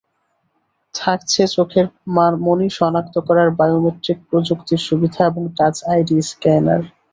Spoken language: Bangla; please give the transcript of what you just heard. থাকছে চোখের মনি শনাক্ত করার বায়োমেট্রিক প্রযুক্তির সুবিধা এবং টাচ আইডি স্ক্যানার।